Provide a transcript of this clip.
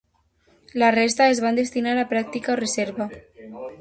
La resta es van destinar a pràctica o reserva.